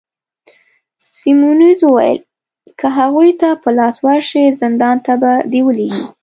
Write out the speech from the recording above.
سیمونز وویل: که هغوی ته په لاس ورشې، زندان ته به دي ولیږي.